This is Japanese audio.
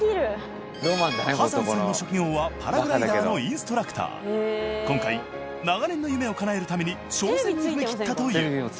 ハサンさんの職業は今回長年の夢をかなえるために挑戦に踏みきったという。